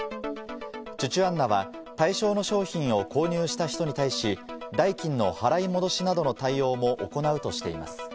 チュチュアンナは対象の商品を購入した人に対し、代金の払い戻しなどの対応も行うとしています。